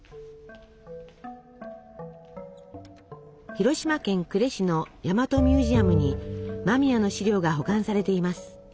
広島県呉市の大和ミュージアムに間宮の資料が保管されています。